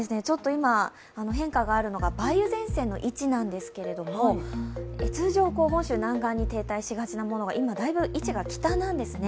今、変化があるのが梅雨前線の位置なんですけれども通常、本州南岸に停滞しがちなものが今、だいぶ位置が北なんですね。